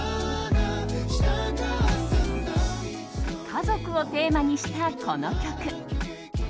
家族をテーマにした、この曲。